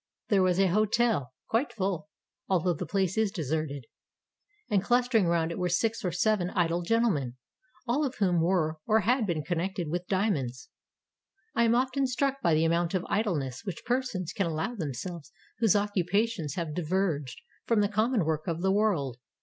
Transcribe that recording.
There was a hotel, — quite full, although the place is deserted, — and clustering round it were six or seven idle gentlemen, all of whom were or had been con nected with diamonds. I am often struck by the amount of idleness which persons can allow themselves whose occupations have diverged from the common work of the world.